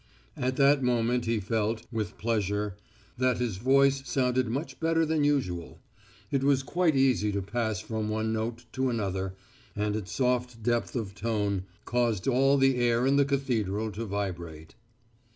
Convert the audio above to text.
At that moment he felt, with pleasure, that his voice sounded much better than usual; it was quite easy to pass from one note to another, and its soft depth of tone caused all the air in the cathedral to vibrate.